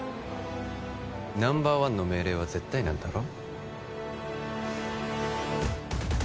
ナンバーワンの命令は絶対なんだろ？